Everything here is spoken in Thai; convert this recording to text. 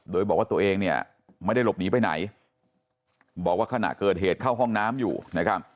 โดยบอกว่าตัวเองเนี่ยไม่ได้หลบหนีไปไหนบอกว่าขณะเกิดเหตุเข้าห้องน้ำอยู่นะครับ